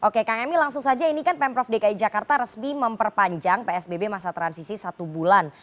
oke kang emil langsung saja ini kan pemprov dki jakarta resmi memperpanjang psbb masa transisi satu bulan